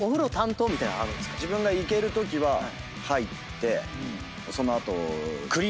自分がいけるときは入ってその後。